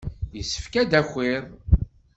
Yessefk ad d-takiḍ.